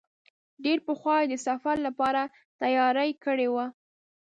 ډېر پخوا یې د سفر لپاره تیاری کړی و.